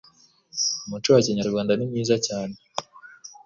umuco wa kinyarwanda nimwiza cyane.